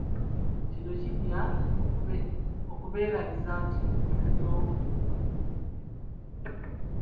Kino kijja kubeerabiza nti oluddewo okutuuka.